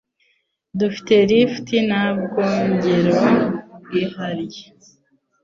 Dufite lift na bwogero bwihariye.